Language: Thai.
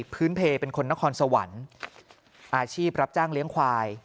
พื้นเพลเป็นคนนครสวรรค์อาชีพรับจ้างเลี้ยงควาย